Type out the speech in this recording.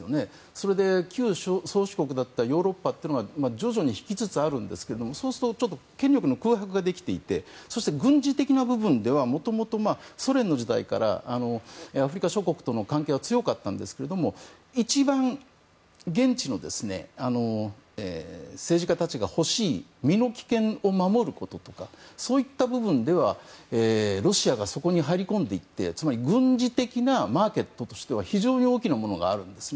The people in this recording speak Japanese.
それで、旧宗主国だったロシアが徐々に引きつつあるんですけど権力も空白ができていて軍事的な部分ではもともとソ連の時代からアフリカ諸国との関係は強かったんですが一番、現地の政治家たちが欲しい身の危険を守ることとかそういった部分ではロシアがそこに入り込んでいってつまり軍事的なマーケットとしては非常に大きなものがあるんです。